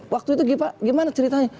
waktu itu gimana ceritanya